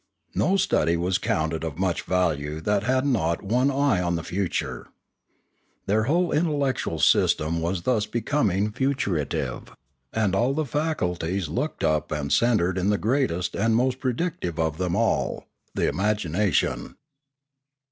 No study was counted of much value that had not one eye on the future. Their whole intellectual system was thus becoming futuritive, and all the faculties looked up to and centred in the greatest and most predictive of them all — the imagination.